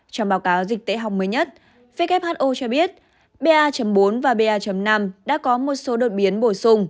trong báo cáo dịch tễ học mới nhất who cho biết ba bốn và ba năm đã có một số đột biến bổ sung